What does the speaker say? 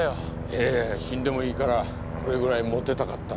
いやいや死んでもいいからこれぐらいモテたかったね。